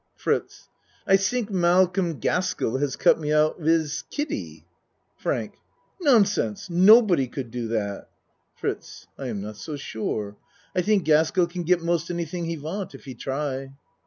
FRITZ I tink Malcolm Gaskell has cut me out wid Kiddie. FRANK Nonsense! Nobody could do that. FRITZ I am not so sure. I think Gaskell can get most anything he want if he try.